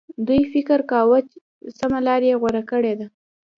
دوی فکر کاوه سمه لار یې غوره کړې ده.